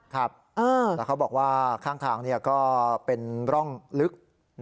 ครับแล้วเขาบอกว่าข้างทางก็เป็นร่องลึก